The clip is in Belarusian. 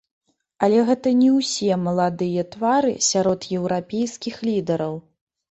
Але гэта не ўсе маладыя твары сярод еўрапейскіх лідараў.